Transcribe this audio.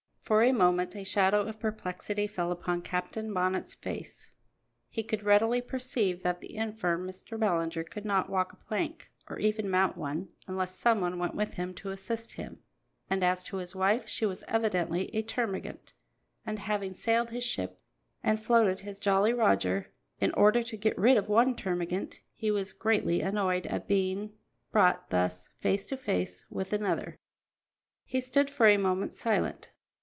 For a moment a shadow of perplexity fell upon Captain Bonnet's face. He could readily perceive that the infirm Mr. Ballinger could not walk a plank, or even mount one, unless some one went with him to assist him, and as to his wife, she was evidently a termagant; and, having sailed his ship and floated his Jolly Roger in order to get rid of one termagant, he was greatly annoyed at being brought thus, face to face, with another. He stood for a moment silent.